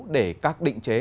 để các định chế